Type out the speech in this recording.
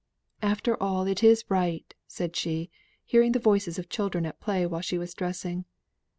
"After all it is right," said she, hearing the voices of children at play while she was dressing.